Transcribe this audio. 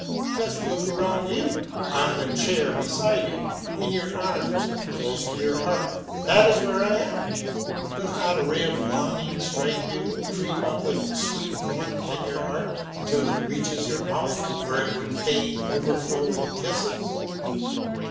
Just look around you, on the chair beside you, in your arms, close to your heart that is where I am. Does not a ray of longing strike you, creep up with sweet warmth to your heart, until it reaches your mouth, where it would fain overflow in kisses?